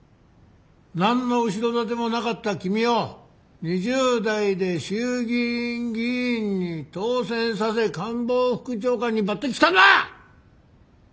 何の後ろ盾もなかった君を２０代で衆議院議員に当選させ官房副長官に抜てきしたのは！